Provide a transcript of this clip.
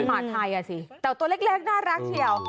แต่ตัวเล็กน่ารักที่เอ่อ